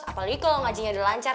apalagi kalau ngajinya udah lancar